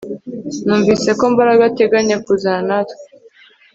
Numvise ko Mbaraga ateganya kuzana natwe